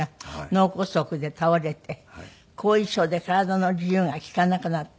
脳梗塞で倒れて後遺症で体の自由が利かなくなった。